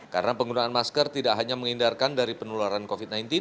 karena penggunaan masker tidak hanya menghindarkan dari penularan covid sembilan belas